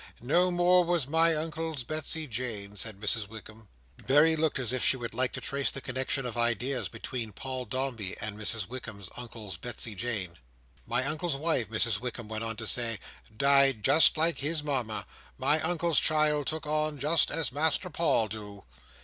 No more was my Uncle's Betsey Jane," said Mrs Wickam. Berry looked as if she would like to trace the connexion of ideas between Paul Dombey and Mrs Wickam's Uncle's Betsey Jane. "My Uncle's wife," Mrs Wickam went on to say, "died just like his Mama. My Uncle's child took on just as Master Paul do."